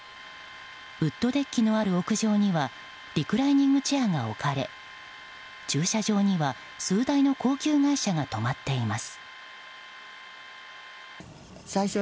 ウッドデッキのある屋上にはリクライニングチェアが置かれ駐車場には数台の高級外車が止まっています。